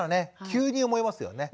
急に思いますよね。